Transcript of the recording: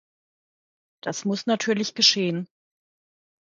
Das muss natürlich geschehen.